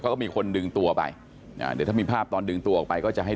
เขาก็มีคนดึงตัวไปอ่าเดี๋ยวถ้ามีภาพตอนดึงตัวออกไปก็จะให้